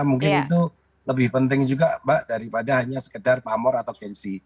mungkin itu lebih penting juga mbak daripada hanya sekedar pamor atau gengsi